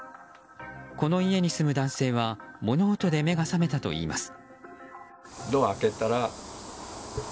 この家に住む男性は物音で目が覚めたといいます。